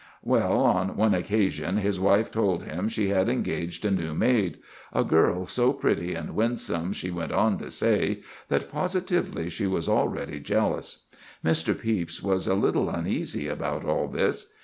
Well, on one occasion his wife told him she had engaged a new maid—a girl so pretty and winsome, she went on to say, that positively she was already jealous. Mr. Pepys was a little uneasy about all this.